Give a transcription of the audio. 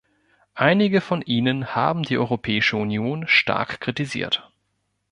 Einige von Ihnen haben die Europäische Union stark kritisiert.